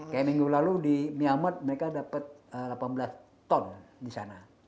kayak minggu lalu di myanmar mereka dapat delapan belas ton di sana